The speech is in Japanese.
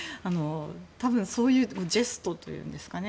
多分、ジェストというんですかね